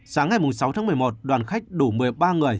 sáng ngày sáu tháng một mươi một đoàn khách đủ một mươi ba người